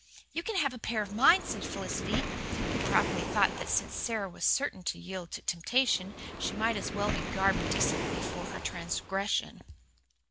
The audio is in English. "You can have a pair of mine," said Felicity, who probably thought that since Sara was certain to yield to temptation, she might as well be garbed decently for her transgression.